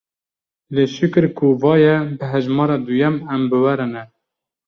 Lê şikur ku va ye bi hejmera duyem em bi we re ne.